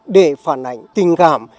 để phản ảnh tình cảm